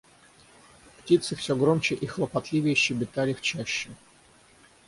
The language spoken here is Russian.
Птицы всё громче и хлопотливее щебетали в чаще.